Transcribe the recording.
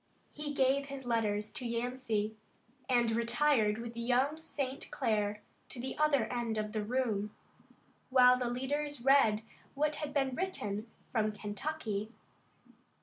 He gave his letters to Yancey and retired with young St. Clair to the other end of the room, while the leaders read what had been written from Kentucky.